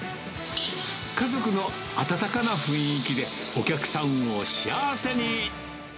家族の温かな雰囲気で、お客さんを幸せに。